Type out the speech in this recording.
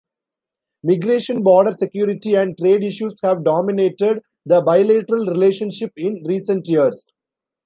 Migration, border security and trade issues have dominated the bilateral relationship in recent years.